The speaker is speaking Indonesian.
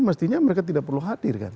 mestinya mereka tidak perlu hadir kan